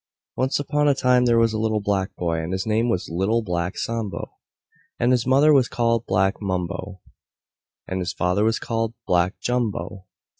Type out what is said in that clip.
Once upon a time there was a little black boy, and his name was Little Black Sambo. And his mother was called Black Mumbo. And his father was called Black Jumbo.